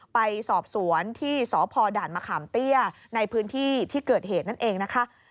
ไปสอบสวนที่สพด่านมะขามเตี้ยในพื้นที่ที่เกิดเหตุนั่นเองนะคะ